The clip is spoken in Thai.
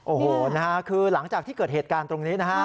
โอ้โหนะฮะคือหลังจากที่เกิดเหตุการณ์ตรงนี้นะฮะ